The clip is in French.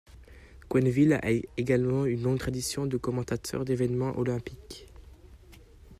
Quenneville a également une longue tradition de commentateur d’évènements olympiques.